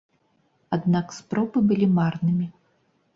Аднак спробы былі марнымі.